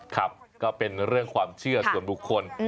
ครับก็เป็นเรื่องความเชื่อส่วนบุคคล